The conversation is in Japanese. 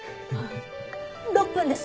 ６分です。